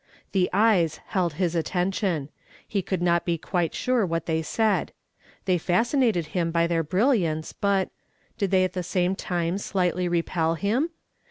The eyes held his attention. He could not be quite sure what they said. They fascinated him by their brilliance, but — did they at the same time slightly repel him